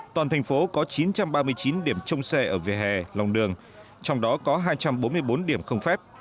toàn thành phố có chín trăm ba mươi chín điểm trông xe ở vỉa hè lòng đường trong đó có hai trăm bốn mươi bốn điểm không phép